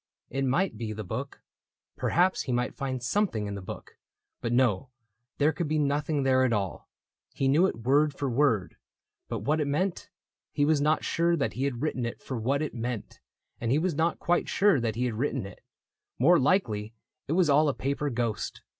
.»• It might be the book; Perhaps he might find something in the book ; But no, there could be nothing there at all — He knew it word for word ; but what it meant — He was not sure that he had written it For what it meant ; and he was not quite sure That he had written it ;— more likely it Was all a paper ghost.